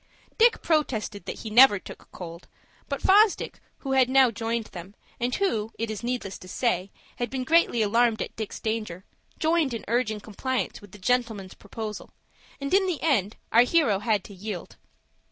Dick protested that he never took cold; but Fosdick, who had now joined them, and who, it is needless to say, had been greatly alarmed at Dick's danger, joined in urging compliance with the gentleman's proposal, and in the end our hero had to yield.